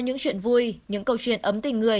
những chuyện vui những câu chuyện ấm tình người